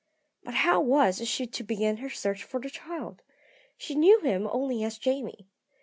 But how was she to begin her search for the child? She knew him only as Jamie.